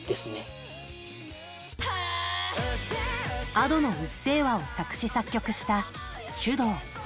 Ａｄｏの「うっせぇわ」を作詞・作曲したｓｙｕｄｏｕ。